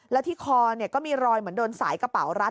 แล้วที่คอก็มีรอยเหมือนโดนสายกระเป๋ารัด